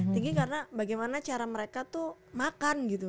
tinggi karena bagaimana cara mereka tuh makan gitu